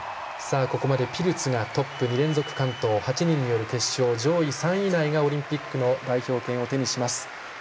ここまでピルツがトップ２連続完登、８人による決勝、上位３位以内がオリンピックの代表権を手にします。